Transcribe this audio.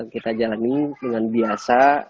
kita jalanin dengan biasa